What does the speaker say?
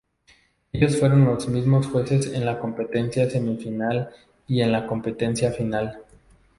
Ellos fueron los mismos jueces en la Competencia Semifinal y en la Competencia Final.